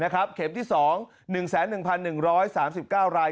เข็มที่สอง๑๐๑๑๓๙ราย